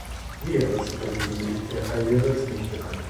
Näheres über diese Militärkarriere ist nicht bekannt.